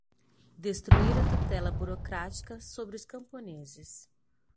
destruir a tutela burocrática sobre os camponeses